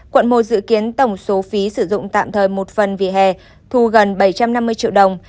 quận một dự kiến tổng số phí sử dụng tạm thời một phần vì hè thu gần bảy trăm năm mươi triệu đồng